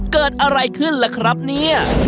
เกิดอะไรขึ้นล่ะครับเนี่ย